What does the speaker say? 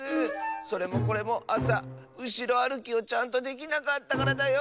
それもこれもあさうしろあるきをちゃんとできなかったからだよ。